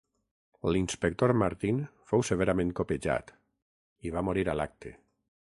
L'inspector Martin fou severament copejat i va morir a l'acte.